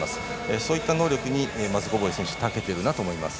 そういった能力にマズゴボイ選手はたけているなと思います。